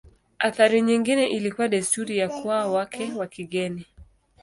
Athari nyingine ilikuwa desturi ya kuoa wake wa kigeni.